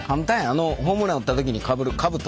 ホームラン打った時にかぶるかぶと。